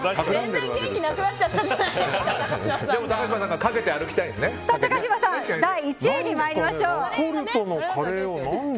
全然、元気なくなっちゃったじゃないですか高嶋さん第１位に参りましょう。